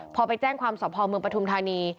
พอไปแจ้งความสอบภอมเมืองปฐุมธานี